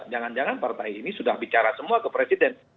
jangan jangan partai ini sudah bicara semua ke presiden